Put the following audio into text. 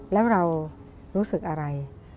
แล้วเรารู้สึกอะไร